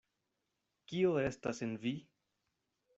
Kio estas en vi?